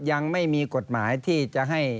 ยังไม่มีกฎหมายที่จะให้